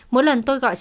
mỗi lần tôi gọi sáng